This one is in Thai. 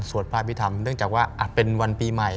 สวดภาพวิธรรมเนื่องจากว่าเป็นวันปีใหม่